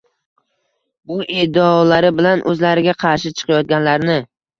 bu iddaolari bilan o‘zlariga qarshi chiqayotganlarini